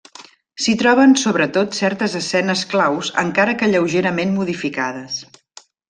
S'hi troben sobretot certes escenes claus encara que lleugerament modificades.